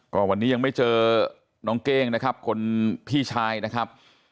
ก็วันนี้ยังไม่เจอน้องเก้งนะครับคนพี่ชายนะครับ